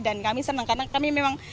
dan kami senang karena kami memang